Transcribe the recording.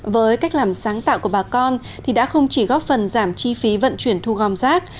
với cách làm sáng tạo của bà con thì đã không chỉ góp phần giảm chi phí vận chuyển thu gom rác